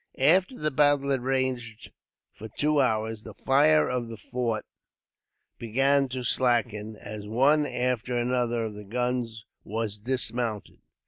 After the battle had raged for two hours, the fire of the fort began to slacken, as one after another of the guns was dismounted.